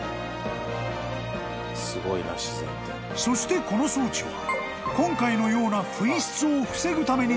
［そしてこの装置は今回のような］